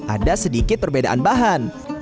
ada sedikit perbedaan bahan